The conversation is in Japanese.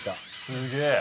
すげえ！